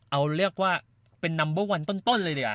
เอาเรียกว่าเป็นนัมเบิ้ลวันต้นเลย